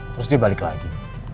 terus dia balik lagi